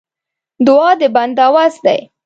دعا د بنده وس دی.